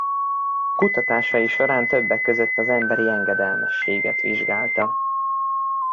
Kutatásai során többek között az emberi engedelmességet vizsgálta.